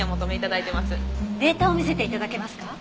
データを見せて頂けますか？